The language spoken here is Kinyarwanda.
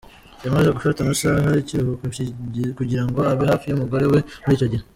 yamaze gufata amasaha ikiruhuko kugira ngo abe hafi yumugore we muri iki gihe.